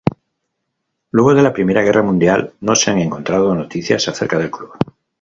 Luego de la Primera Guerra Mundial, no se han encontrado noticias acerca del club.